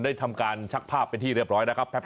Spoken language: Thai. ทำการชักภาพเป็นที่เรียบร้อยนะครับ